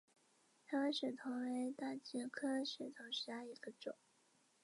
台湾血桐为大戟科血桐属下的一个种。